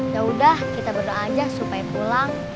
ya udah kita berdoa aja supaya pulang